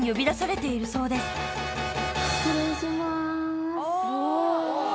失礼しまーす。